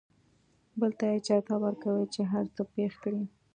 بل ته اجازه ورکوي چې هر څه پېښ کړي.